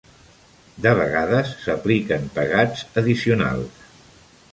De vegades s'apliquen pegats addicionals.